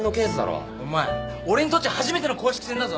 お前俺にとっちゃ初めての公式戦だぞ？